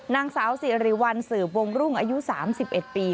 นางสาวสิริวัลสืบวงรุ่งอายุ๓๑ปี